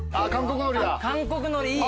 韓国海苔いい。